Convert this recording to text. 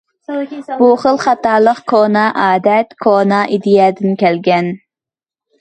بۇ خىل خاتالىق كونا ئادەت، كونا ئىدىيەدىن كەلگەن.